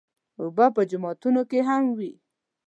اوبه په جوماتونو کې هم وي.